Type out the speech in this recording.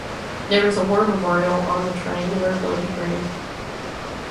There is a war memorial on the triangular village green.